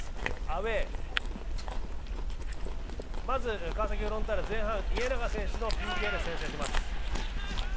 アウェー、まず、川崎フロンターレ、前半、家長選手がＰＫで先制します。